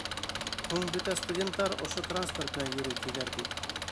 Һуң бөтә студенттар ошо транспорт менән йөрөй, тиҙәр бит.